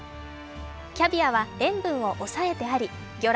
キャビアは塩分を抑えてあり魚卵